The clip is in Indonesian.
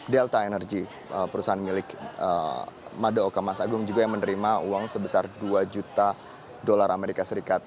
delta energy perusahaan milik madaoka mas agung juga yang menerima uang sebesar dua juta dolar amerika serikat